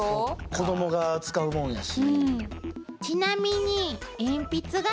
子どもが使うもんやし。